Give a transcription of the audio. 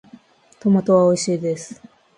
トマトはおいしいです。